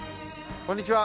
こんにちは。